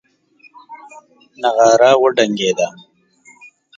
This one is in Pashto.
نغاره وډنګېده.